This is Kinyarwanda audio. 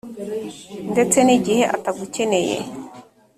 ndetse ni gihe atagukeneye,